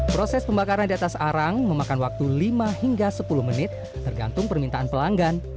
proses pembakaran di atas arang memakan waktu lima hingga sepuluh menit tergantung permintaan pelanggan